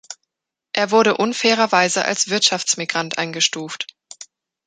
Er wurde unfairerweise als Wirtschaftsmigrant eingestuft.